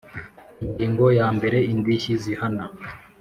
Ingingo ya mbere Indishyi zihana